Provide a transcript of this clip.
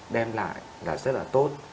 đem lại là rất là tốt